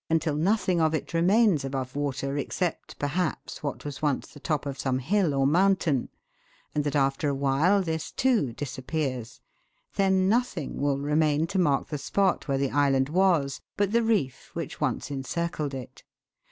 '35 nothing of it remains above water, except, perhaps, what was once the top of some hill or mountain, and that after a while this, too, disappears; then nothing will remain to mark the spot where the island was but the reef which once encircled it.